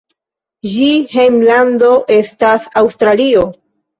Ĝia hejmlando estas Aŭstralio.